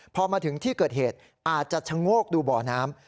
พอมาถึงที่เกิดเหตุอาจจะชะโงกดูบ่อน้ำ